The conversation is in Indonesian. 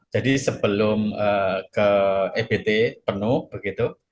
jadi sebelum ke ebt penuh begitu